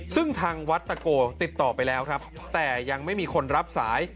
ซึ่งทางวัดตะโกติดต่อไปแล้วครับแต่ยังไม่มีคนรับสาย